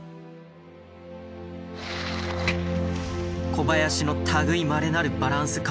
小林の類いまれなるバランス感覚。